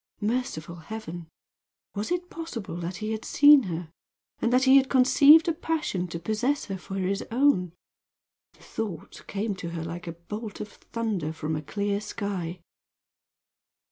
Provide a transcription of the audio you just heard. Merciful heaven! Was it possible that he had seen her, and that he had conceived a passion to possess her for his own? The thought came to her like a bolt of thunder from a clear sky.